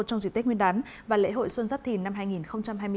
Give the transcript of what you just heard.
trong dịp tết nguyên đán và lễ hội xuân giáp thìn năm hai nghìn hai mươi bốn